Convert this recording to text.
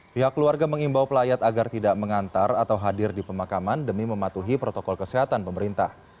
pihak keluarga mengimbau pelayat agar tidak mengantar atau hadir di pemakaman demi mematuhi protokol kesehatan pemerintah